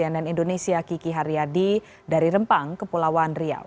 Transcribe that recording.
ann indonesia kiki haryadi dari rempang ke pulauan riau